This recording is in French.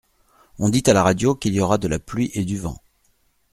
On dit à la radio qu’il y aura de la pluie et du vent.